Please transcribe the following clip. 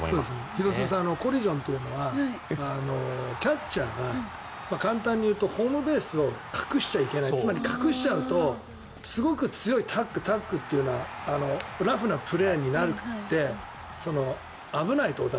廣津留さんコリジョンというのはキャッチャーが簡単に言うとホームベースを隠しちゃいけないつまり、隠しちゃうとすごく強いタックタックというのはラフなプレーになってお互い危ないと。